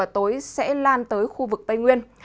tối sẽ lan tới khu vực tây nguyên